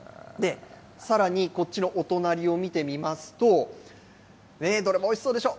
さらに、こっちのお隣を見てみますと、どれもおいしそうでしょ？